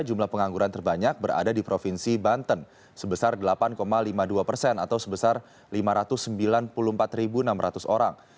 jumlah pengangguran terbanyak berada di provinsi banten sebesar delapan lima puluh dua persen atau sebesar lima ratus sembilan puluh empat enam ratus orang